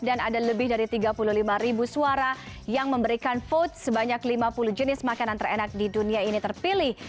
dan ada lebih dari tiga puluh lima ribu suara yang memberikan vote sebanyak lima puluh jenis makanan terenak di dunia ini terpilih